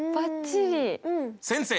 先生！